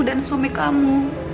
dan suami kamu